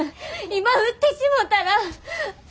今売ってしもたら。